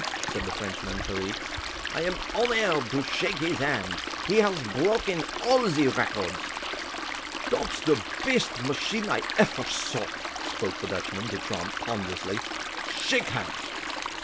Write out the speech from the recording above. said the Frenchman, Perique. "I am honaired to shake his hand! He has broken all ze records!" "Dot's der best machine I effer saw," spoke the Dutchman, De Tromp, ponderously. "Shake hands!"